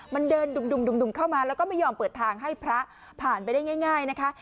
มันเดินดุ่มเข้ามาแล้วก็ไม่ยอมเปิดทางให้พระผ่านไปได้ง่ายนะคะ